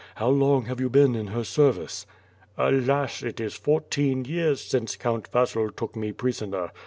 How long have you been in her service?" "Alas, it is fourteen years since Count Vasil took me prisoner.